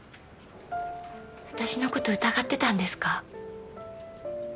私の事疑ってたんですか？